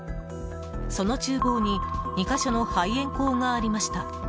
その厨房に２か所の排煙口がありました。